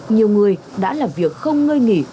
nhiều người đã làm việc không ngơi nghỉ